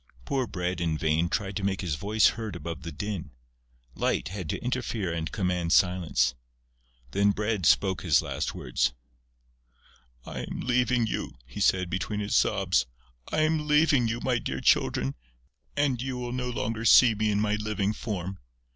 Poor Bread in vain tried to make his voice heard above the din. Light had to interfere and command silence. Then Bread spoke his last words: "I am leaving you," he said, between his sobs. "I am leaving you, my dear Children, and you will no longer see me in my living form....